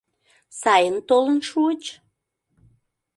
Сайын толын шуыч?